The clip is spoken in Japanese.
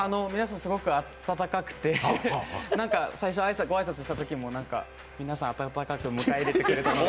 すごく温かくて最初ご挨拶したときも皆さん温かく迎え入れてくれて。